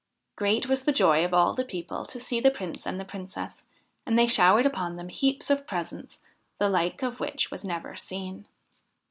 Great was the joy of all the people to see the Prince and the Princess, and they showered upon them heaps of presents the like of which was never seen.